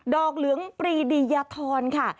อกเหลืองปรีดียทรค่ะ